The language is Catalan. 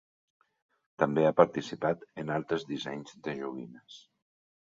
També ha participat en altres dissenys de joguines.